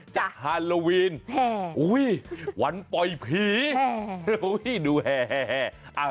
ฮาโลวีนวันปล่อยผีดูแห่